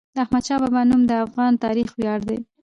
د احمدشاه بابا نوم د افغان تاریخ ویاړ دی.